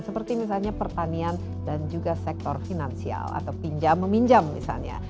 seperti misalnya pertanian dan juga sektor finansial atau pinjam meminjam misalnya